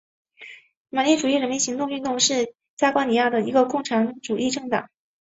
马列主义人民行动运动是尼加拉瓜的一个共产主义政党。